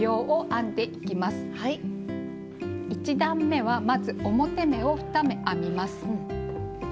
１段めはまず表目を２目編みます。